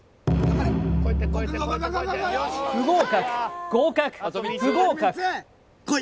不合格合格不合格こい